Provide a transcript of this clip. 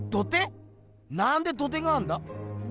なんで土手があんだ？